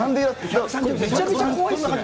めちゃめちゃ怖いですね。